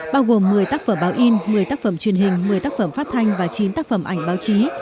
bao gồm một mươi tác phẩm báo in một mươi tác phẩm truyền hình một mươi tác phẩm phát thanh và chín tác phẩm ảnh báo chí